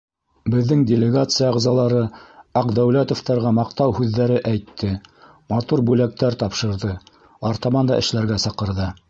Беҙҙең делегация ағзалары Аҡдәүләтовтарға маҡтау һүҙҙәре әйтте, матур бүләктәр тапшырҙы, артабан да эшләргә саҡырҙы.